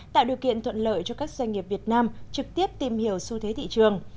tạo điều kiện thuận lợi cho các doanh nghiệp việt nam trực tiếp tìm hiểu xu thế thị trường